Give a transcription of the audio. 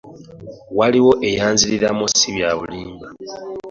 Waliwo eyanziriramu si byabulimba .